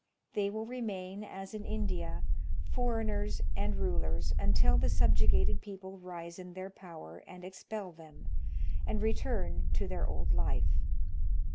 They will remain, as in India, foreigners and rulers, until the subjugated people rise in their power and expel them, and return to their old life.